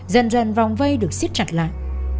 dần dần vòng vây được xiết chặt lại